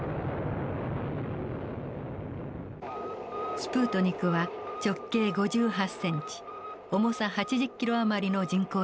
スプートニクは直径５８センチ重さ８０キロ余りの人工衛星でした。